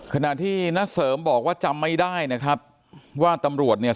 ขณะที่ณเสริมบอกว่าจำไม่ได้นะครับว่าตำรวจเนี่ย